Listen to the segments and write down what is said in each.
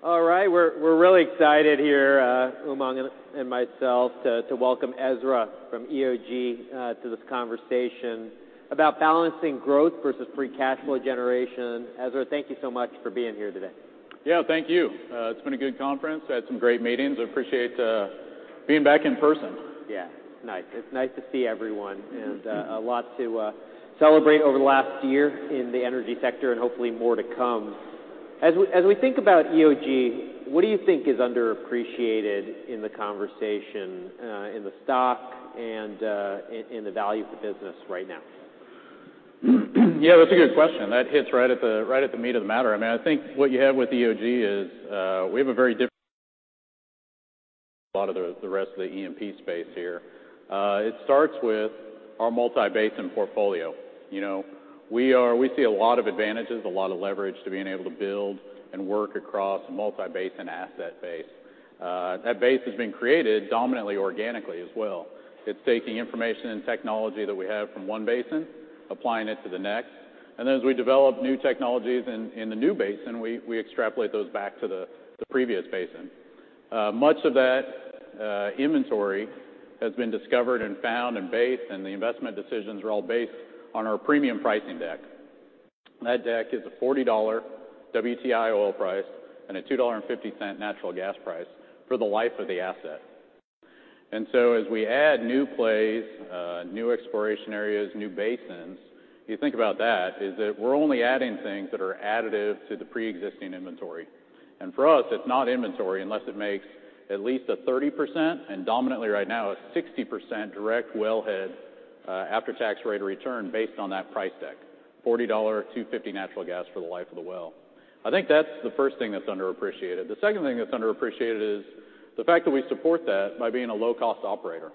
All right. We're really excited here, Umang and myself, to welcome Ezra from EOG, to this conversation about balancing growth versus free cash flow generation. Ezra, thank you so much for being here today. Yeah, thank you. It's been a good conference. I had some great meetings. I appreciate being back in person. Yeah. It's nice. It's nice to see everyone, and a lot to celebrate over the last year in the energy sector and hopefully more to come. As we think about EOG, what do you think is underappreciated in the conversation, in the stock and in the value of the business right now? Yeah, that's a good question. That hits right at the meat of the matter. I mean, I think what you have with EOG is, we have a very different, a lot of the rest of the E&P space here. It starts with our multi-basin portfolio. You know, we see a lot of advantages, a lot of leverage to being able to build and work across a multi-basin asset base. That base has been created dominantly organically as well. It's taking information and technology that we have from one basin, applying it to the next, and then as we develop new technologies in the new basin, we extrapolate those back to the previous basin. Much of that inventory has been discovered and found and based, and the investment decisions are all based on our premium pricing deck. That deck is a $40 WTI oil price and a $2.50 natural gas price for the life of the asset. So as we add new plays, new exploration areas, new basins, you think about that, is that we're only adding things that are additive to the preexisting inventory. For us, it's not inventory unless it makes at least a 30%, and dominantly right now, a 60% direct wellhead after-tax rate of return based on that price deck, $40, $2.50 natural gas for the life of the well. I think that's the first thing that's underappreciated. The second thing that's underappreciated is the fact that we support that by being a low-cost operator.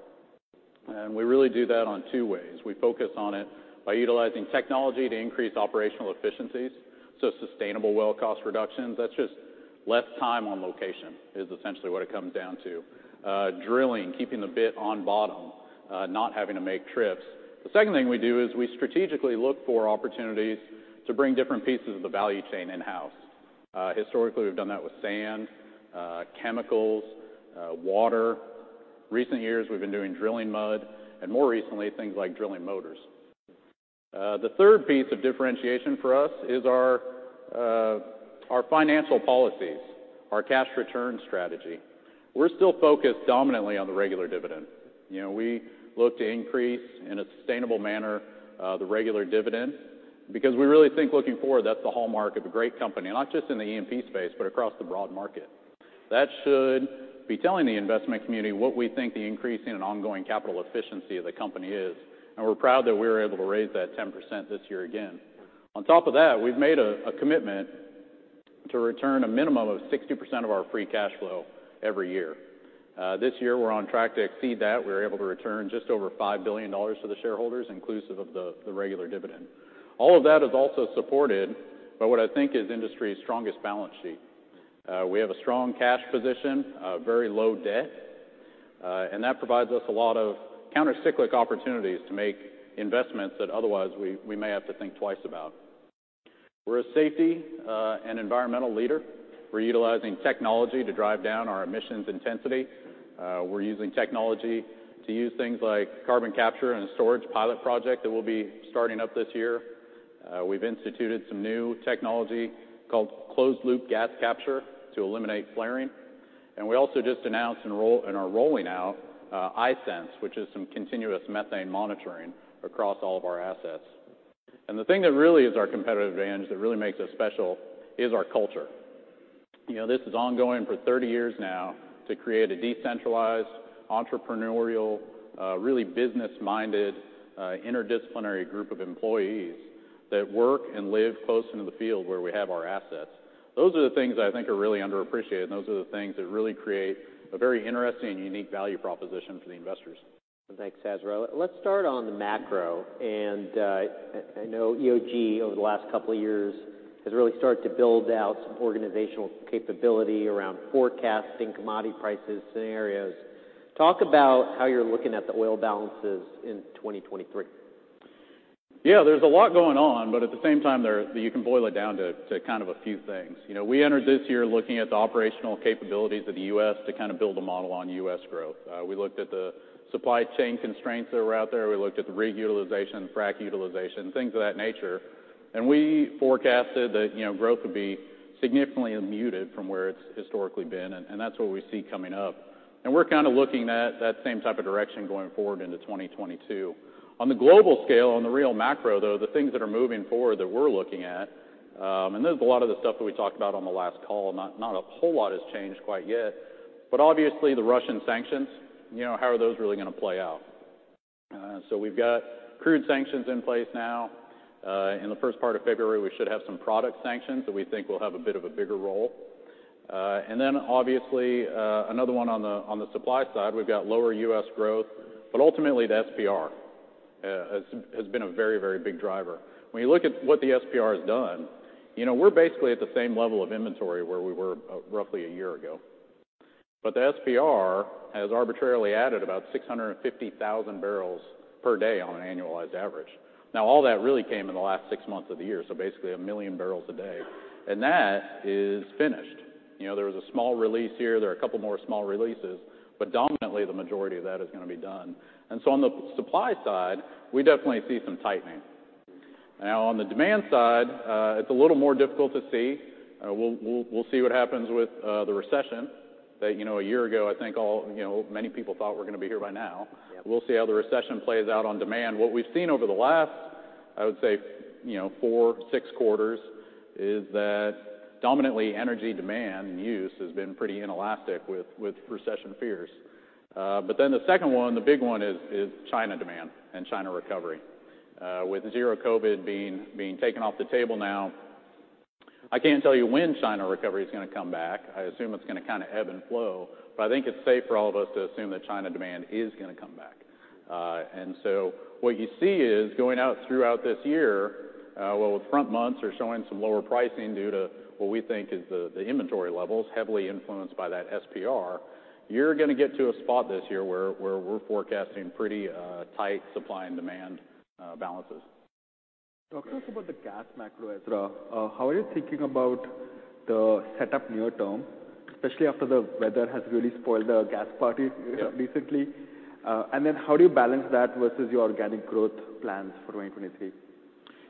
We really do that on two ways. We focus on it by utilizing technology to increase operational efficiencies, so sustainable well cost reductions. That's just less time on location, is essentially what it comes down to. Drilling, keeping the bit on bottom, not having to make trips. The second thing we do is we strategically look for opportunities to bring different pieces of the value chain in-house. Historically, we've done that with sand, chemicals, water. Recent years, we've been doing drilling mud, more recently, things like drilling motors. The third piece of differentiation for us is our financial policies, our cash return strategy. We're still focused dominantly on the regular dividend. You know, we look to increase, in a sustainable manner, the regular dividend because we really think looking forward, that's the hallmark of a great company, not just in the E&P space, but across the broad market. That should be telling the investment community what we think the increase in an ongoing capital efficiency of the company is, and we're proud that we were able to raise that 10% this year again. On top of that, we've made a commitment to return a minimum of 60% of our free cash flow every year. This year, we're on track to exceed that. We were able to return just over $5 billion to the shareholders, inclusive of the regular dividend. All of that is also supported by what I think is industry's strongest balance sheet. We have a strong cash position, very low debt, and that provides us a lot of counter-cyclic opportunities to make investments that otherwise we may have to think twice about. We're a safety and environmental leader. We're utilizing technology to drive down our emissions intensity. We're using technology to use things like carbon capture and a storage pilot project that we'll be starting up this year. We've instituted some new technology called closed-loop gas capture to eliminate flaring. We also just announced and are rolling out iSense, which is some continuous methane monitoring across all of our assets. The thing that really is our competitive advantage, that really makes us special is our culture. You know, this is ongoing for 30 years now to create a decentralized, entrepreneurial, really business-minded, interdisciplinary group of employees that work and live close into the field where we have our assets. Those are the things I think are really underappreciated, and those are the things that really create a very interesting and unique value proposition for the investors. Thanks, Ezra. Let's start on the macro. I know EOG over the last couple of years has really started to build out some organizational capability around forecasting commodity prices scenarios. Talk about how you're looking at the oil balances in 2023. Yeah. There's a lot going on, at the same time you can boil it down to kind of a few things. You know, we entered this year looking at the operational capabilities of the U.S. to kind of build a model on U.S. growth. We looked at the supply chain constraints that were out there. We looked at the rig utilization, frac utilization, things of that nature. We forecasted that, you know, growth would be significantly muted from where it's historically been, and that's what we see coming up. We're kind of looking at that same type of direction going forward into 2022. On the global scale, on the real macro, though, the things that are moving forward that we're looking at, and this is a lot of the stuff that we talked about on the last call. Not a whole lot has changed quite yet. obviously, the Russian sanctions, you know, how are those really gonna play out? we've got crude sanctions in place now. in the first part of February, we should have some product sanctions that we think will have a bit of a bigger role. obviously, another one on the supply side, we've got lower U.S. growth. ultimately, the SPR has been a very big driver. When you look at what the SPR has done, you know, we're basically at the same level of inventory where we were, roughly a year ago. the SPR has arbitrarily added about 650,000 bbl per day on an annualized average. All that really came in the last six months of the year, so basically 1 million bbl a day, and that is finished. You know, there was a small release here. There are a couple more small releases, but dominantly the majority of that is gonna be done. On the supply side, we definitely see some tightening. On the demand side, it's a little more difficult to see. We'll see what happens with the recession that, you know, one year ago, I think all, you know, many people thought were gonna be here by now. Yeah. We'll see how the recession plays out on demand. What we've seen over the last, I would say, you know, four, six quarters, is that dominantly energy demand use has been pretty inelastic with recession fears. The second one, the big one is China demand and China recovery. With zero-COVID being taken off the table now, I can't tell you when China recovery is gonna come back. I assume it's gonna kinda ebb and flow, but I think it's safe for all of us to assume that China demand is gonna come back. What you see is going out throughout this year, well, with front months are showing some lower pricing due to what we think is the inventory levels heavily influenced by that SPR. You're gonna get to a spot this year where we're forecasting pretty tight supply and demand balances. Talk to us about the gas macro, Ezra. How are you thinking about the setup near term, especially after the weather has really spoiled the gas party- Yeah.... recently? How do you balance that versus your organic growth plans for 2023?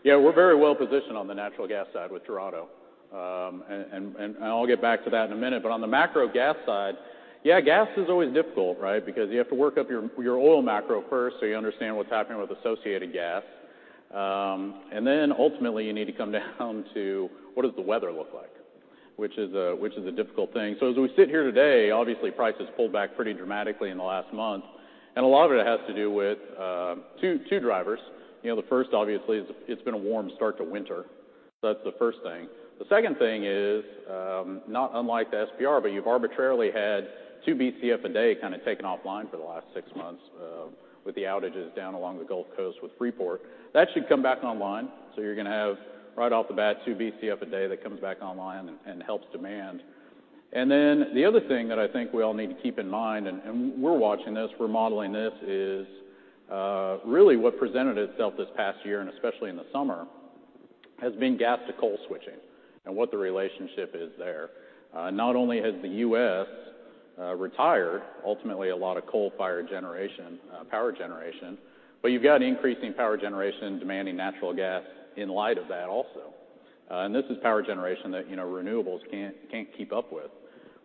Yeah, we're very well positioned on the natural gas side with Dorado. I'll get back to that in a minute. On the macro gas side, yeah, gas is always difficult, right? Because you have to work up your oil macro first, so you understand what's happening with associated gas. Ultimately, you need to come down to what does the weather look like? Which is a difficult thing. As we sit here today, obviously price has pulled back pretty dramatically in the last month, and a lot of it has to do with two drivers. You know, the first obviously is it's been a warm start to winter. That's the first thing. The second thing is, not unlike the SPR, but you've arbitrarily had 2 Bcf a day kinda taken offline for the last six months, with the outages down along the Gulf Coast with Freeport. That should come back online, you're gonna have right off the bat 2 Bcf a day that comes back online and helps demand. The other thing that I think we all need to keep in mind, and we're watching this, we're modeling this, is really what presented itself this past year, and especially in the summer, has been gas-to-coal switching and what the relationship is there. Not only has the U.S. retired ultimately a lot of coal-fired generation, power generation, but you've got increasing power generation demanding natural gas in light of that also. This is power generation that, you know, renewables can't keep up with.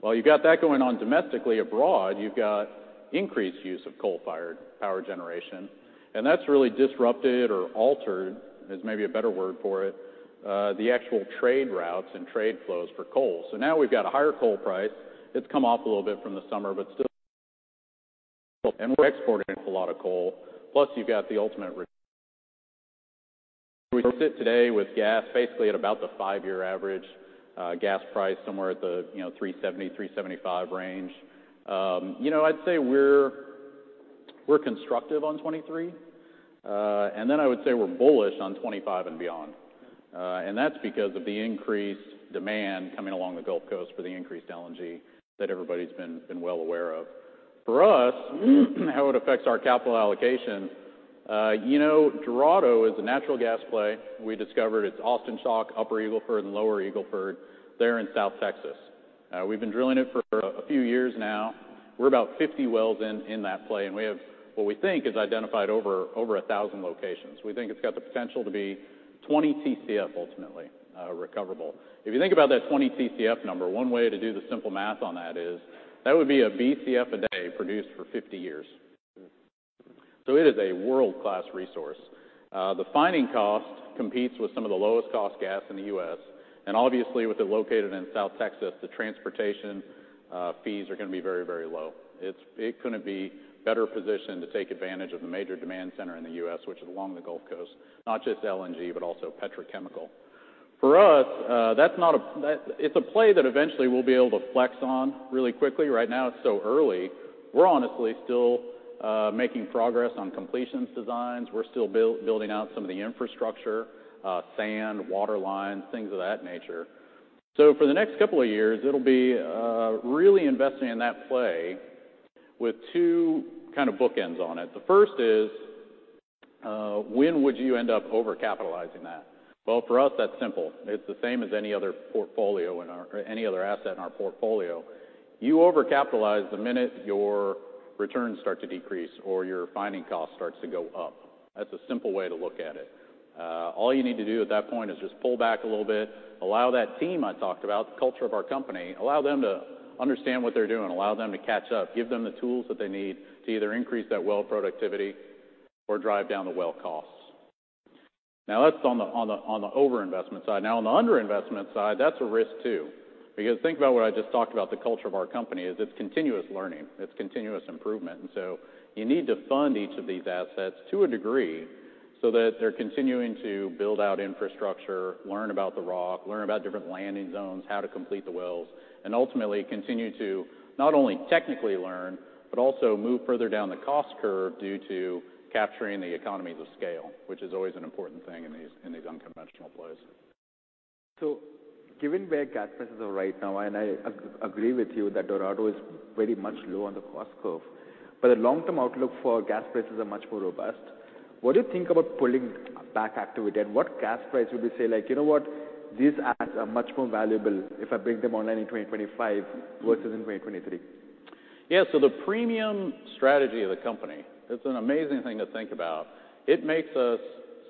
While you've got that going on domestically abroad, you've got increased use of coal-fired power generation, and that's really disrupted or altered, is maybe a better word for it, the actual trade routes and trade flows for coal. Now we've got a higher coal price. It's come off a little bit from the summer, but still and we're exporting a lot of coal, plus you've got the ultimate. We sit today with gas basically at about the five-year average, gas price somewhere at the, you know, $3.70-$3.75 range. You know, I'd say we're constructive on 2023. I would say we're bullish on 2025 and beyond. That's because of the increased demand coming along the Gulf Coast for the increased LNG that everybody's been well aware of. For us, how it affects our capital allocation, you know, Dorado is a natural gas play. We discovered it's Austin Chalk, Upper Eagle Ford, and Lower Eagle Ford there in South Texas. We've been drilling it for a few years now. We're about 50 wells in that play, and we have what we think is identified over 1,000 locations. We think it's got the potential to be 20 Tcf ultimately recoverable. If you think about that 20 Tcf number, one way to do the simple math on that is, that would be a Bcf a day produced for 50 years. It is a world-class resource. The finding cost competes with some of the lowest cost gas in the U.S., and obviously, with it located in South Texas, the transportation fees are gonna be very, very low. It couldn't be better positioned to take advantage of the major demand center in the U.S., which is along the Gulf Coast, not just LNG, but also petrochemical. For us, it's a play that eventually we'll be able to flex on really quickly. Right now it's so early. We're honestly still making progress on completions designs. We're still building out some of the infrastructure, sand, water lines, things of that nature. For the next couple of years, it'll be really investing in that play with two kind of bookends on it. The first is, when would you end up overcapitalizing that? Well, for us, that's simple. It's the same as any other portfolio in our any other asset in our portfolio. You overcapitalize the minute your returns start to decrease or your finding cost starts to go up. That's a simple way to look at it. All you need to do at that point is just pull back a little bit, allow that team I talked about, the culture of our company, allow them to understand what they're doing, allow them to catch up, give them the tools that they need to either increase that well productivity or drive down the well costs. That's on the over-investment side. On the under-investment side, that's a risk too, because think about what I just talked about, the culture of our company, is it's continuous learning. It's continuous improvement. You need to fund each of these assets to a degree so that they're continuing to build out infrastructure, learn about the rock, learn about different landing zones, how to complete the wells, and ultimately continue to not only technically learn, but also move further down the cost curve due to capturing the economies of scale, which is always an important thing in these, in these unconventional plays. Given where gas prices are right now, and I agree with you that Dorado is very much low on the cost curve, but the long-term outlook for gas prices are much more robust. What do you think about pulling back activity, and what gas price would you say, like, "You know what? These assets are much more valuable if I bring them online in 2025 versus in 2023. Yeah. The premium strategy of the company, it's an amazing thing to think about. It makes us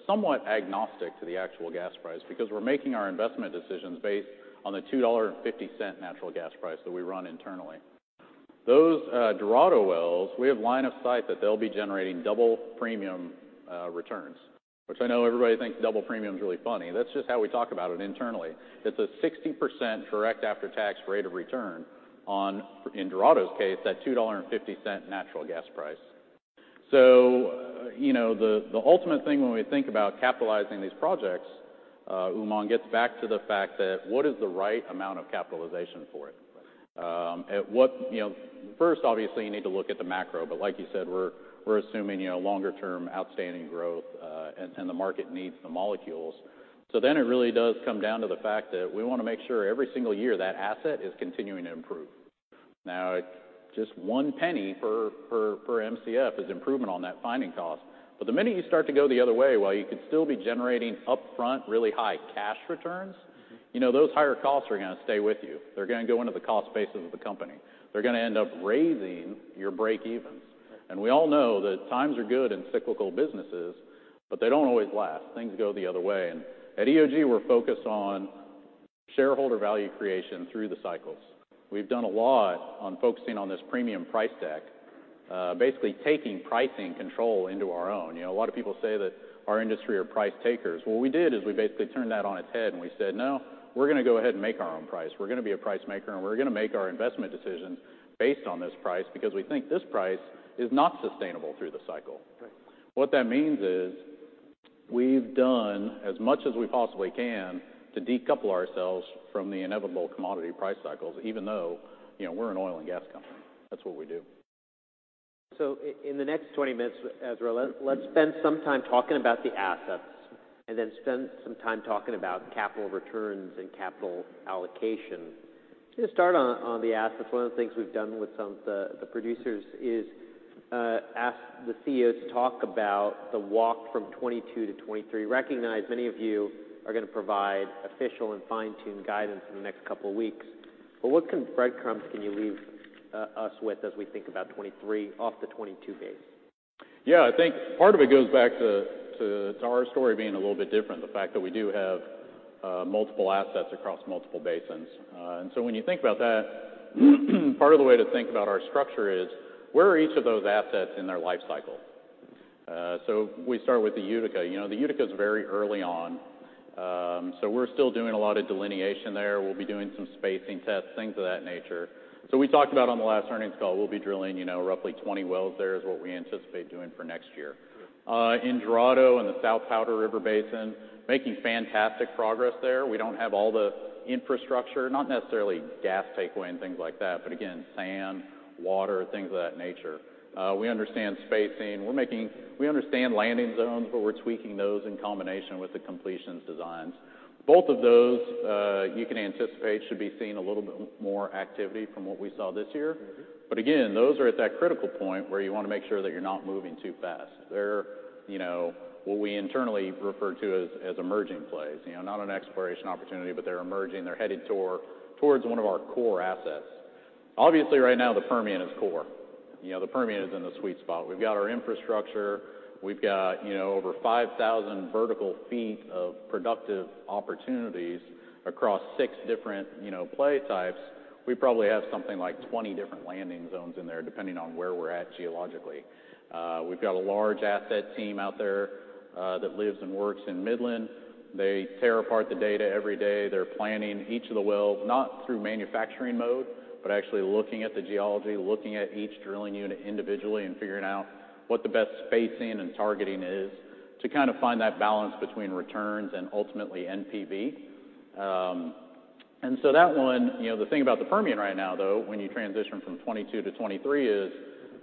somewhat agnostic to the actual gas price because we're making our investment decisions based on the $2.50 natural gas price that we run internally. Those Dorado wells, we have line of sight that they'll be generating double premium returns, which I know everybody thinks double premium is really funny. That's just how we talk about it internally. It's a 60% direct after-tax rate of return on, in Dorado's case, that $2.50 natural gas price. You know, the ultimate thing when we think about capitalizing these projects, Umang, gets back to the fact that what is the right amount of capitalization for it? You know, first, obviously, you need to look at the macro, like you said, we're assuming, you know, longer-term outstanding growth, the market needs the molecules. It really does come down to the fact that we wanna make sure every single year that asset is continuing to improve. Just one penny per MCF is improvement on that finding cost. The minute you start to go the other way, while you could still be generating upfront really high cash returns- Mm-hmm. you know, those higher costs are gonna stay with you. They're gonna go into the cost base of the company. They're gonna end up raising your breakevens. We all know that times are good in cyclical businesses, but they don't always last. Things go the other way. At EOG, we're focused on shareholder value creation through the cycles. We've done a lot on focusing on this premium pricing deck, basically taking pricing control into our own. You know, a lot of people say that our industry are price takers. What we did is we basically turned that on its head and we said, "No, we're gonna go ahead and make our own price. We're gonna be a price maker, and we're gonna make our investment decisions based on this price because we think this price is not sustainable through the cycle. Right. What that means is we've done as much as we possibly can to decouple ourselves from the inevitable commodity price cycles, even though, you know, we're an oil and gas company. That's what we do. In the next 20 minutes, Ezra, let's spend some time talking about the assets and then spend some time talking about capital returns and capital allocation. To start on the assets, one of the things we've done with some of the producers is ask the CEOs to talk about the walk from 2022 to 2023. Recognize many of you are gonna provide official and fine-tuned guidance in the next couple of weeks, but what breadcrumbs can you leave us with as we think about 2023 off the 2022 base? Yeah. I think part of it goes back to our story being a little bit different, the fact that we do have multiple assets across multiple basins. When you think about that, part of the way to think about our structure is where are each of those assets in their life cycle? We start with the Utica. You know, the Utica is very early on, so we're still doing a lot of delineation there. We'll be doing some spacing tests, things of that nature. We talked about on the last earnings call, we'll be drilling, you know, roughly 20 wells there is what we anticipate doing for next year. Sure. In Dorado, in the Southern Powder River Basin, making fantastic progress there. We don't have all the infrastructure, not necessarily gas takeaway and things like that, but again, sand, water, things of that nature. We understand spacing. We understand landing zones, but we're tweaking those in combination with the completions designs. Both of those, you can anticipate should be seeing a little bit more activity from what we saw this year. Mm-hmm. Again, those are at that critical point where you wanna make sure that you're not moving too fast. They're, you know, what we internally refer to as emerging plays, you know, not an exploration opportunity, but they're emerging. They're headed towards one of our core assets. Obviously, right now, the Permian is core. You know, the Permian is in the sweet spot. We've got our infrastructure. We've got, you know, over 5,000 vertical feet of productive opportunities across six different, you know, play types. We probably have something like 20 different landing zones in there, depending on where we're at geologically. We've got a large asset team out there that lives and works in Midland. They tear apart the data every day. They're planning each of the wells, not through manufacturing mode, but actually looking at the geology, looking at each drilling unit individually, and figuring out what the best spacing and targeting is to kind of find that balance between returns and ultimately NPV. You know, the thing about the Permian right now, though, when you transition from 2022 to 2023, is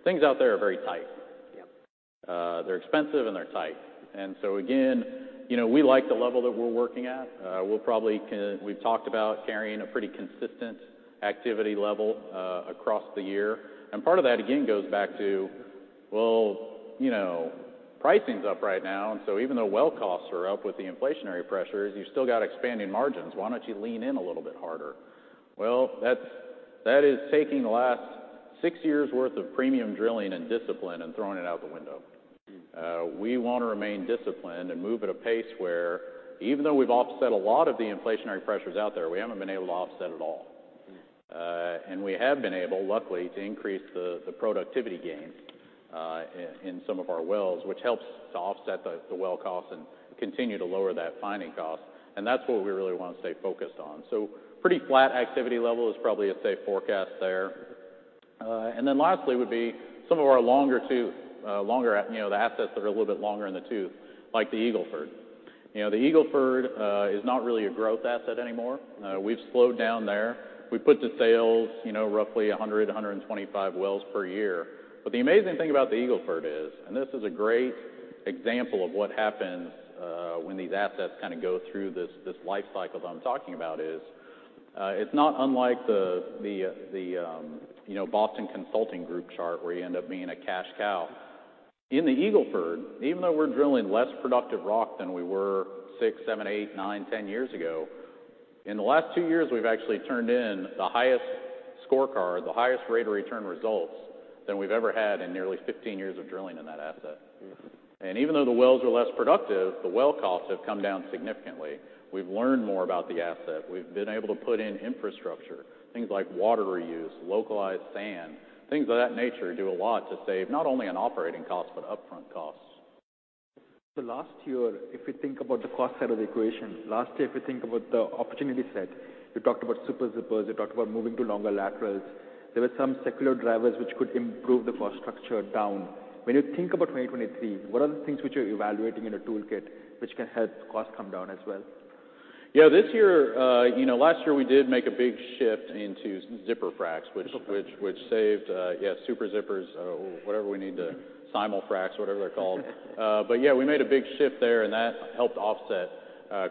things out there are very tight. Yeah. They're expensive and they're tight. Again, you know, we like the level that we're working at. We've talked about carrying a pretty consistent activity level across the year. Part of that, again, goes back to, well, you know, pricing's up right now, and so even though well costs are up with the inflationary pressures, you still got expanding margins. Why don't you lean in a little bit harder? Well, that is taking the last six years' worth of premium drilling and discipline and throwing it out the window. We wanna remain disciplined and move at a pace where even though we've offset a lot of the inflationary pressures out there, we haven't been able to offset it all. Mm-hmm. We have been able, luckily, to increase the productivity gains, in some of our wells, which helps to offset the well costs and continue to lower that finding cost, and that's what we really wanna stay focused on. Pretty flat activity level is probably a safe forecast there. Lastly would be some of our longer tooth, you know, the assets that are a little bit longer in the tooth, like the Eagle Ford. You know, the Eagle Ford, is not really a growth asset anymore. We've slowed down there. We put to sales, you know, roughly 125 wells per year. The amazing thing about the Eagle Ford is, and this is a great example of what happens, when these assets kinda go through this life cycle that I'm talking about. It's not unlike the, you know, Boston Consulting Group chart where you end up being a cash cow. In the Eagle Ford, even though we're drilling less productive rock than we were six, seven, eight, nine, 10 years ago, in the last two years, we've actually turned in the highest scorecard, the highest rate of return results than we've ever had in nearly 15 years of drilling in that asset. Mm-hmm. Even though the wells are less productive, the well costs have come down significantly. We've learned more about the asset. We've been able to put in infrastructure, things like water reuse, localized sand. Things of that nature do a lot to save not only on operating costs, but upfront costs. The last year, if we think about the cost side of the equation, last year, if we think about the opportunity set, you talked about super zippers, you talked about moving to longer laterals. There were some secular drivers which could improve the cost structure down. When you think about 2023, what are the things which you're evaluating in a toolkit which can help costs come down as well? Yeah. This year, you know, last year we did make a big shift into zipper fracs. Zipper fracs. Which saved, yes, Super Zippers or whatever we need to simulfracs, whatever they're called. Yeah, we made a big shift there, and that helped offset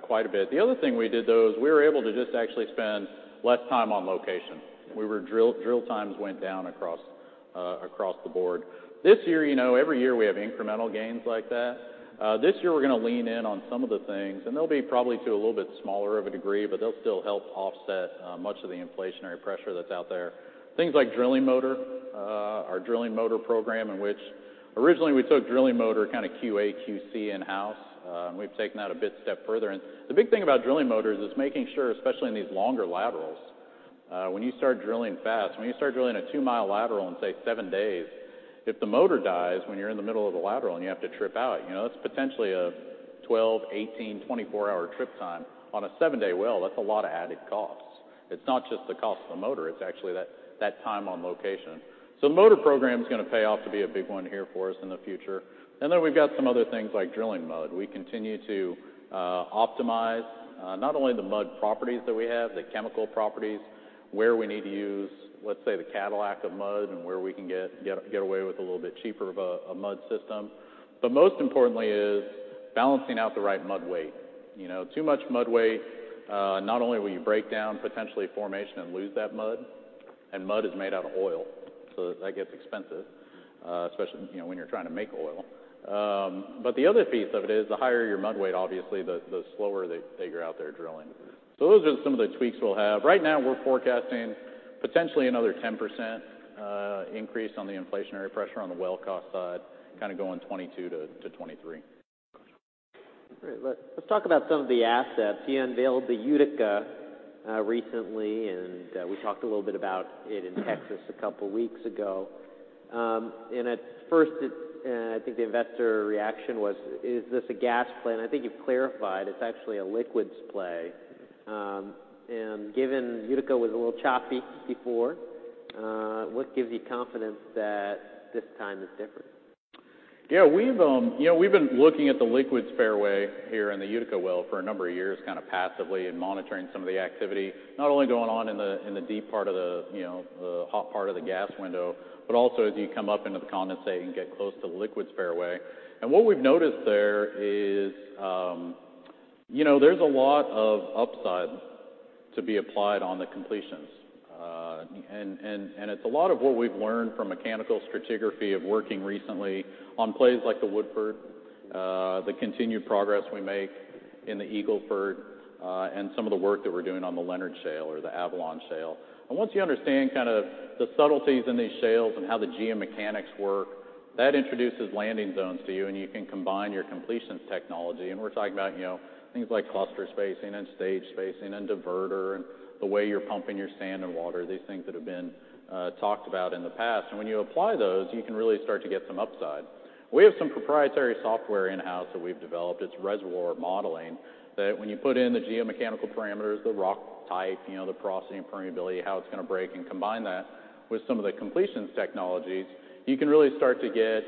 quite a bit. The other thing we did, though, is we were able to just actually spend less time on location. Drill times went down across the board. This year, you know, every year we have incremental gains like that. This year we're gonna lean in on some of the things, and they'll be probably to a little bit smaller of a degree, but they'll still help offset much of the inflationary pressure that's out there. Things like drilling motor, our drilling motor program, in which originally we took drilling motor kind of QA/QC in-house. We've taken that a big step further. The big thing about drilling motors is making sure, especially in these longer laterals, when you start drilling fast, when you start drilling a 2 mi lateral in, say, seven days, if the motor dies when you're in the middle of the lateral and you have to trip out, you know, that's potentially a 12, 18, 24 hour trip time. On a seven-day well, that's a lot of added costs. It's not just the cost of the motor, it's actually that time on location. Motor program's gonna pay off to be a big one here for us in the future. Then we've got some other things like drilling mud. We continue to optimize not only the mud properties that we have, the chemical properties, where we need to use, let's say, the Cadillac of mud and where we can get away with a little bit cheaper of a mud system. Most importantly is balancing out the right mud weight. You know, too much mud weight, not only will you break down potentially formation and lose that mud, and mud is made out of oil, so that gets expensive, especially, you know, when you're trying to make oil. The other piece of it is the higher your mud weight, obviously the slower that you're out there drilling. Those are some of the tweaks we'll have. Right now we're forecasting potentially another 10% increase on the inflationary pressure on the well cost side, kinda going 2022 to 2023. Great. Let's talk about some of the assets. You unveiled the Utica recently, and we talked a little bit about it in Texas a couple weeks ago. At first I think the investor reaction was, "Is this a gas play?" I think you've clarified it's actually a liquids play. Given Utica was a little choppy before, what gives you confidence that this time is different? Yeah. We've, you know, we've been looking at the liquids fairway here in the Utica Well for a number of years, kind of passively, and monitoring some of the activity, not only going on in the, in the deep part of the, you know, the hot part of the gas window, but also as you come up into the condensate and get close to the liquids fairway. What we've noticed there is, you know, there's a lot of upside to be applied on the completions. It's a lot of what we've learned from mechanical stratigraphy of working recently on plays like the Woodford, the continued progress we make in the Eagle Ford, and some of the work that we're doing on the Leonard Shale or the Avalon Shale. Once you understand kind of the subtleties in these shales and how the geomechanics work, that introduces landing zones to you, and you can combine your completions technology. We're talking about, you know, things like cluster spacing and stage spacing and diverter and the way you're pumping your sand and water, these things that have been talked about in the past. When you apply those, you can really start to get some upside. We have some proprietary software in-house that we've developed, it's reservoir modeling, that when you put in the geomechanical parameters, the rock type, you know, the porosity and permeability, how it's gonna break, and combine that with some of the completions technologies, you can really start to get,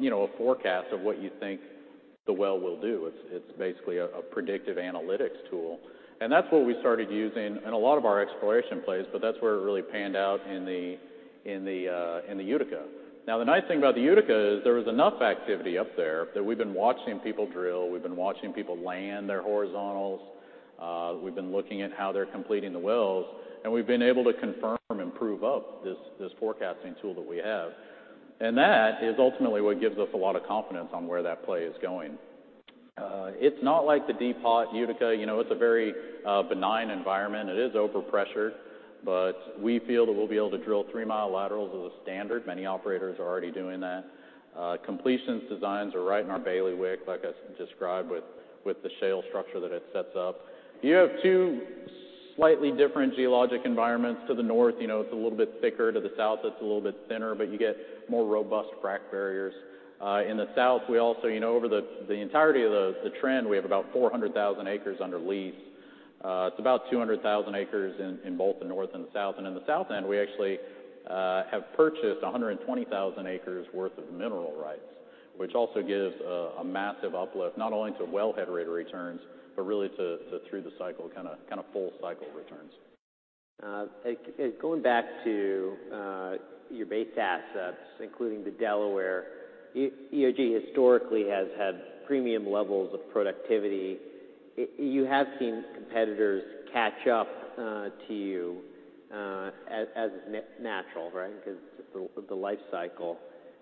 you know, a forecast of what you think the well will do. It's, it's basically a predictive analytics tool. That's what we started using in a lot of our exploration plays, but that's where it really panned out in the, in the Utica. Now, the nice thing about the Utica is there was enough activity up there that we've been watching people drill, we've been watching people land their horizontals, we've been looking at how they're completing the wells, and we've been able to confirm and prove up this forecasting tool that we have. That is ultimately what gives us a lot of confidence on where that play is going. It's not like the deep hot Utica. You know, it's a very benign environment. It is overpressured, but we feel that we'll be able to drill 3 mi laterals as a standard. Many operators are already doing that. Completions designs are right in our bailiwick, like I described, with the shale structure that it sets up. You have two slightly different geologic environments. To the north, you know, it's a little bit thicker. To the south, it's a little bit thinner, but you get more robust frac barriers. In the south, we also, you know, over the entirety of the trend, we have about 400,000 acres under lease. It's about 200,000 acres in both the north and the south. In the south end, we actually have purchased 120,000 acres worth of mineral rights, which also gives a massive uplift, not only to wellhead rate of returns, but really to through the cycle, full cycle returns. Like, going back to your base assets, including the Delaware Basin, EOG historically has had premium levels of productivity. You have seen competitors catch up to you as natural, right? Because it's the life cycle.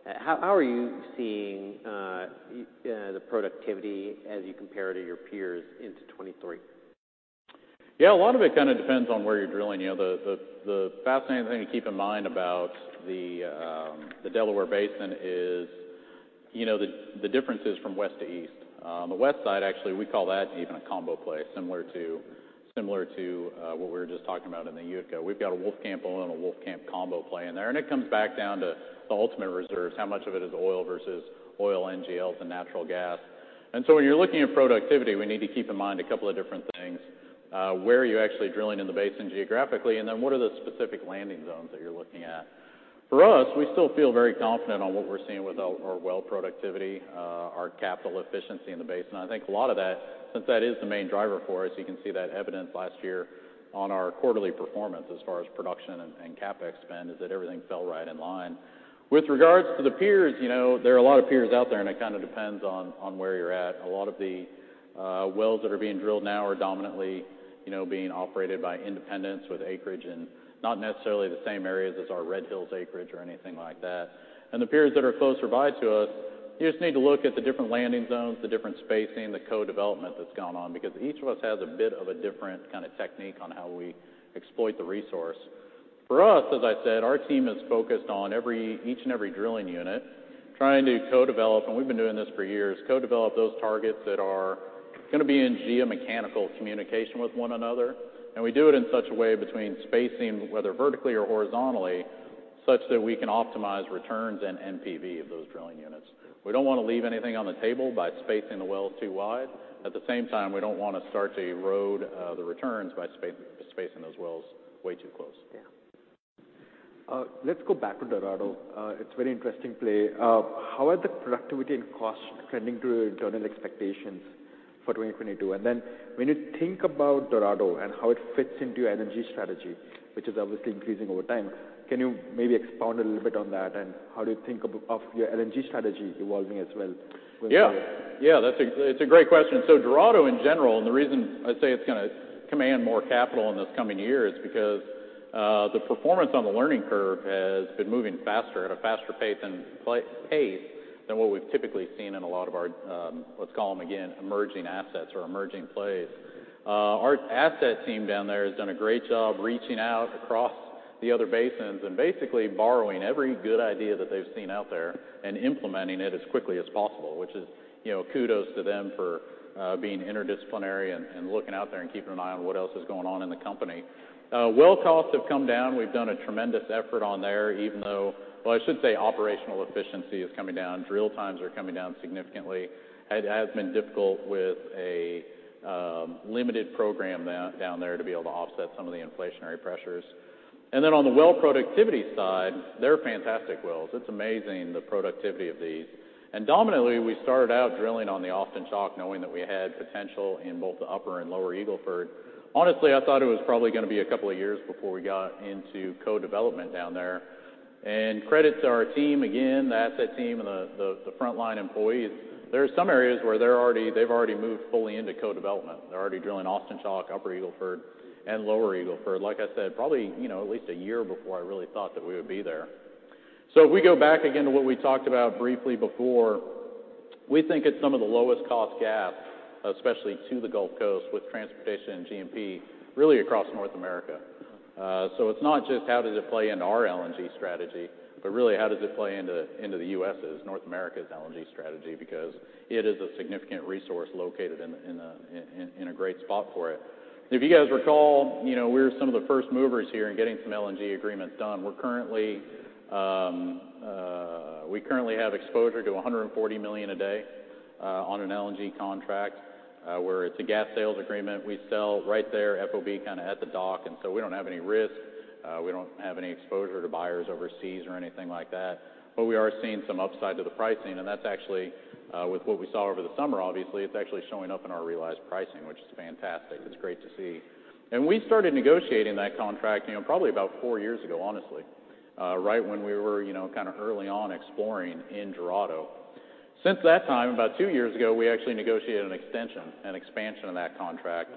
How are you seeing the productivity as you compare to your peers into 2023? Yeah, a lot of it kind of depends on where you're drilling. You know, the fascinating thing to keep in mind about the Delaware Basin is, you know, the differences from west to east. The west side, actually, we call that even a combo play, similar to what we were just talking about in the Utica. We've got a Wolfcamp oil and a Wolfcamp combo play in there. It comes back down to the ultimate reserves, how much of it is oil versus oil NGLs and natural gas. When you're looking at productivity, we need to keep in mind a couple of different things. Where are you actually drilling in the basin geographically, and then what are the specific landing zones that you're looking at? For us, we still feel very confident on what we're seeing with our well productivity, our capital efficiency in the basin. I think a lot of that, since that is the main driver for us, you can see that evidenced last year on our quarterly performance as far as production and CapEx spend, is that everything fell right in line. With regards to the peers, you know, there are a lot of peers out there, and it kind of depends on where you're at. A lot of the wells that are being drilled now are dominantly, you know, being operated by independents with acreage and not necessarily the same areas as our Red Hills acreage or anything like that. The peers that are closer by to us, you just need to look at the different landing zones, the different spacing, the co-development that's gone on, because each of us has a bit of a different kind of technique on how we exploit the resource. For us, as I said, our team is focused on every, each and every drilling unit, trying to co-develop, and we've been doing this for years, co-develop those targets that are gonna be in geomechanical communication with one another. We do it in such a way between spacing, whether vertically or horizontally, such that we can optimize returns and NPV of those drilling units. We don't want to leave anything on the table by spacing the wells too wide. At the same time, we don't want to start to erode the returns by spacing those wells way too close. Yeah. Let's go back to Dorado. It's very interesting play. How are the productivity and cost trending to internal expectations for 2022? When you think about Dorado and how it fits into your LNG strategy, which is obviously increasing over time, can you maybe expound a little bit on that? How do you think of your LNG strategy evolving as well with- Yeah. That's a great question. Dorado in general, and the reason I say it's gonna command more capital in this coming year, is because the performance on the learning curve has been moving faster, at a faster pace than what we've typically seen in a lot of our, let's call them again, emerging assets or emerging plays. Our asset team down there has done a great job reaching out across the other basins and basically borrowing every good idea that they've seen out there and implementing it as quickly as possible, which is, you know, kudos to them for being interdisciplinary and looking out there and keeping an eye on what else is going on in the company. Well costs have come down. We've done a tremendous effort on there, even though... I should say operational efficiency is coming down. Drill times are coming down significantly. It has been difficult with a limited program down there to be able to offset some of the inflationary pressures. On the well productivity side, they're fantastic wells. It's amazing the productivity of these. Dominantly, we started out drilling on the Austin Chalk, knowing that we had potential in both the Upper and Lower Eagle Ford. Honestly, I thought it was probably gonna be a couple of years before we got into co-development down there. Credit to our team, again, the asset team and the frontline employees, there are some areas where they've already moved fully into co-development. They're already drilling Austin Chalk, Upper Eagle Ford, and Lower Eagle Ford, like I said, probably, you know, at least a year before I really thought that we would be there. If we go back again to what we talked about briefly before, we think it's some of the lowest cost gas, especially to the Gulf Coast, with transportation and GMP, really across North America. It's not just how does it play into our LNG strategy, but really how does it play into the U.S.' North America's LNG strategy, because it is a significant resource located in a great spot for it. If you guys recall, you know, we're some of the first movers here in getting some LNG agreements done. We currently have exposure to $140 million a day on an LNG contract where it's a gas sales agreement. We sell right there, FOB, kind of at the dock. We don't have any risk. We don't have any exposure to buyers overseas or anything like that. We are seeing some upside to the pricing, and that's actually, with what we saw over the summer, obviously, it's actually showing up in our realized pricing, which is fantastic. It's great to see. We started negotiating that contract, you know, probably about four years ago, honestly, right when we were, you know, kind of early on exploring in Dorado. Since that time, about two years ago, we actually negotiated an extension, an expansion of that contract,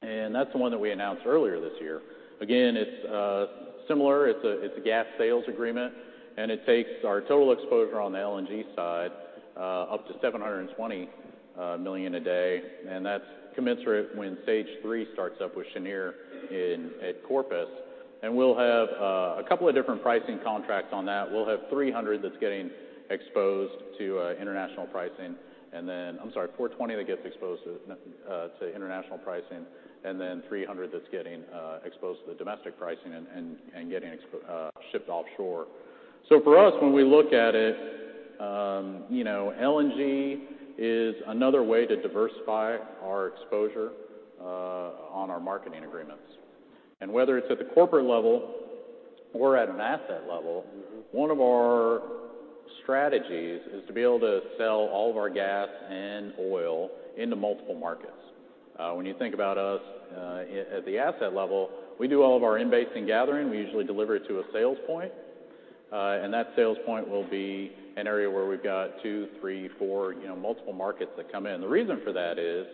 and that's the one that we announced earlier this year. It's similar. It's a gas sales agreement, it takes our total exposure on the LNG side up to 720 million a day, that's commensurate when stage three starts up with Cheniere in, at Corpus. We'll have a couple of different pricing contracts on that. We'll have 300,000 MMBtu/d that's getting exposed to international pricing then I'm sorry, 420,000 MMBtu/d that gets exposed to international pricing, then 300,000 MMBtu/d that's getting exposed to the domestic pricing and getting shipped offshore. For us, when we look at it, you know, LNG is another way to diversify our exposure on our marketing agreements. Whether it's at the corporate level, we're at an asset level. Mm-hmm. One of our strategies is to be able to sell all of our gas and oil into multiple markets. When you think about us, at the asset level, we do all of our in-basin gathering. We usually deliver it to a sales point. That sales point will be an area where we've got two, three, four, you know, multiple markets that come in. The reason for that is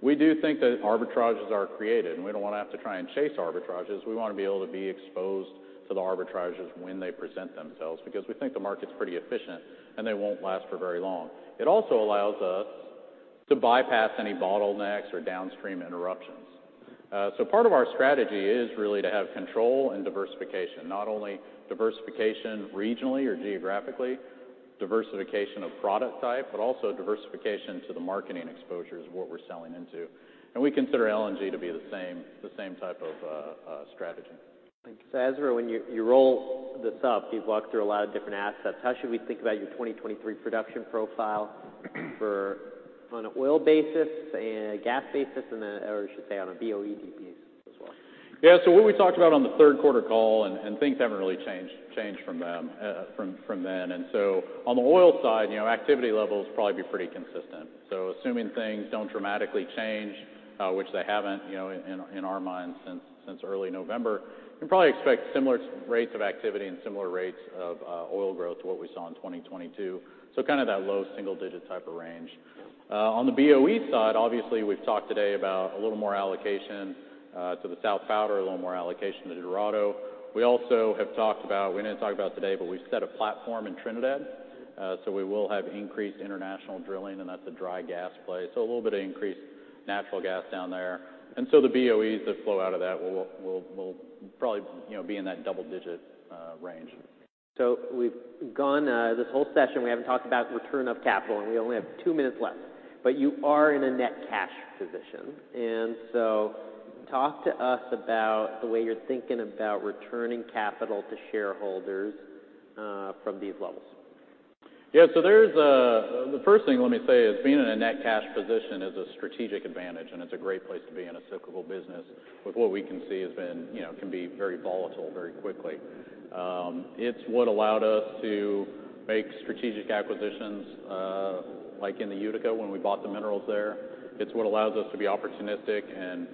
we do think that arbitrages are created, and we don't wanna have to try and chase arbitrages. We wanna be able to be exposed to the arbitrages when they present themselves because we think the market's pretty efficient, and they won't last for very long. It also allows us to bypass any bottlenecks or downstream interruptions. Part of our strategy is really to have control and diversification. Not only diversification regionally or geographically, diversification of product type, but also diversification to the marketing exposure is what we're selling into. We consider LNG to be the same type of strategy. Thanks. Ezra, when you roll this up, you've walked through a lot of different assets. How should we think about your 2023 production profile for on an oil basis and a gas basis, or I should say on a BOED basis as well? Yeah. What we talked about on the third quarter call, and things haven't really changed from then. On the oil side, you know, activity levels probably be pretty consistent. Assuming things don't dramatically change, which they haven't, you know, in our minds since early November, you can probably expect similar rates of activity and similar rates of oil growth to what we saw in 2022. Kind of that low single-digit type of range. On the BOE side, obviously, we've talked today about a little more allocation to the Southern Powder River Basin, a little more allocation to Dorado. We didn't talk about today, but we've set a platform in Trinidad, we will have increased international drilling, and that's a dry gas play. A little bit of increased natural gas down there. The BOEs that flow out of that will probably, you know, be in that double digit range. We've gone, this whole session, we haven't talked about return of capital, and we only have two minutes left. You are in a net cash position, talk to us about the way you're thinking about returning capital to shareholders, from these levels. The first thing let me say is being in a net cash position is a strategic advantage, and it's a great place to be in a cyclical business with what we can see has been, you know, can be very volatile very quickly. It's what allowed us to make strategic acquisitions, like in the Utica when we bought the minerals there. It's what allows us to be opportunistic and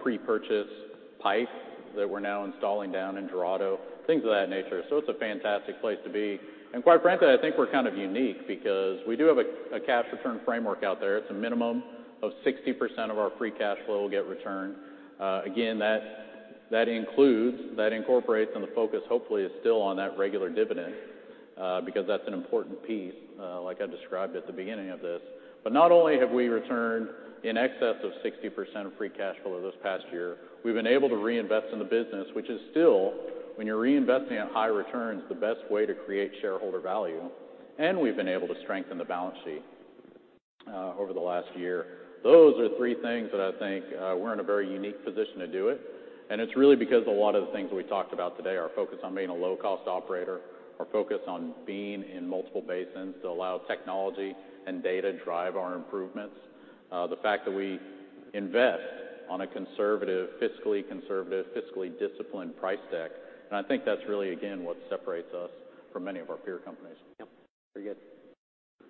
pre-purchase pipe that we're now installing down in Dorado, things of that nature. It's a fantastic place to be. And quite frankly, I think we're kind of unique because we do have a cash return framework out there. It's a minimum of 60% of our free cash flow will get returned. Again, that includes, that incorporates, the focus hopefully is still on that regular dividend, because that's an important piece, like I described at the beginning of this. Not only have we returned in excess of 60% of free cash flow this past year, we've been able to reinvest in the business, which is still, when you're reinvesting at high returns, the best way to create shareholder value. We've been able to strengthen the balance sheet over the last year. Those are three things that I think, we're in a very unique position to do it, and it's really because a lot of the things we talked about today are focused on being a low cost operator, are focused on being in multiple basins to allow technology and data drive our improvements. The fact that we invest on a conservative, fiscally conservative, fiscally disciplined price deck, and I think that's really again what separates us from many of our peer companies. Yeah. Very good.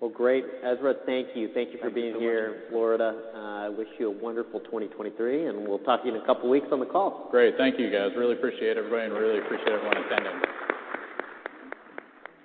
Well, great. Ezra, thank you. Thank you for being here. Thank you so much. Ezra, I wish you a wonderful 2023, we'll talk to you in a couple weeks on the call. Great. Thank you, guys. Really appreciate everybody. Really appreciate everyone attending.